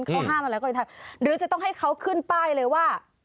เขาห้ามอะไรก็จะทำหรือจะต้องให้เขาขึ้นป้ายเลยว่า